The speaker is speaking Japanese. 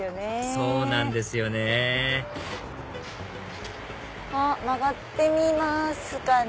そうなんですよねあっ曲がってみますかね。